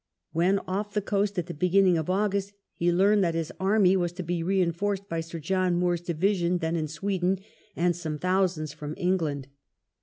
When off the coast at the beginning of August he learned that his army was to be reinforced by Sir John Moore's ' division, then in Sweden, and some thousands from England.